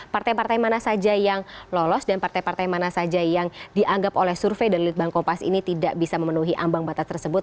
partai partai mana saja yang lolos dan partai partai mana saja yang dianggap oleh survei dari litbang kompas ini tidak bisa memenuhi ambang batas tersebut